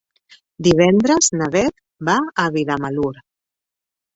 Divendres na Beth va a Vilamalur.